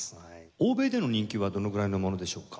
欧米での人気はどのぐらいのものでしょうか？